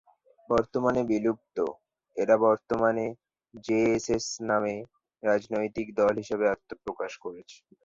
বর্তমানে বিলুপ্ত, এরা বর্তমানে জে এস এস নামে রাজনৈতিক দল হিসেবে আত্মপ্রকাশ করেছে।